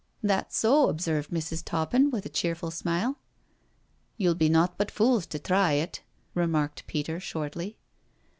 " That's so," observed Mrs. Toppin with a cheerful smile. " You'll be nought but fools to thry it," remarked Peter shortly.